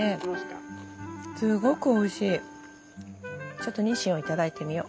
ちょっとニシンをいただいてみよう。